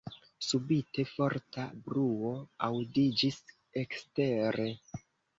Subite forta bruo aŭdiĝis ekstere.